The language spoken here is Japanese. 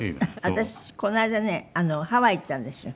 私この間ねハワイへ行ったんですよ。